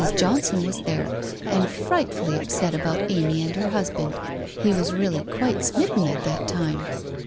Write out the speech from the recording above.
Johnson was there, and frightfully upset about Amy and her husband. He was really quite smitten at that time.